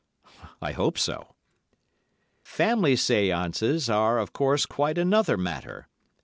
I hope so.) Family séances are, of course, quite another matter.